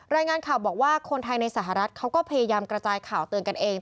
รายงานข่าวบอกว่าคนไทยในสหรัฐเขาก็พยายามกระจายข่าวเตือนกันเอง